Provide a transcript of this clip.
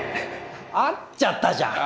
合っちゃったじゃん。